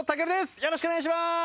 よろしくお願いします！